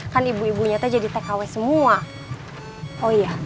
kan ibu ibu jadi tekawai semua